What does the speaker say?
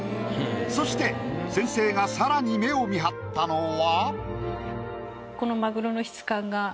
そして先生が更に目をみはったのは。